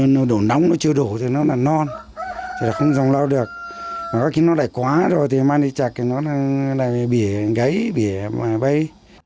nó đủ nóng nó chưa đủ thì nó là non thì là không dòng lâu được mà có khi nó đầy quá rồi thì mang đi chặt thì nó bịa gấy bịa bấy